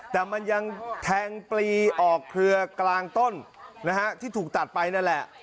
แต่มันยังแทงปลีออกเครือกลางต้นนะฮะที่ถูกตัดไปนั่นแหละ